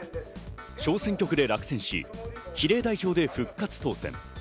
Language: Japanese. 小選挙区で落選し比例代表で復活当選。